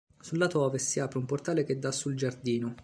Sul lato ovest si apre un portale che dà sul giardino.